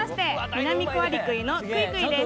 ミナミコアリクイのクイクイです。